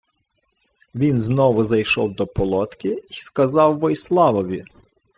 Він знову зайшов до полотки й сказав Войславові: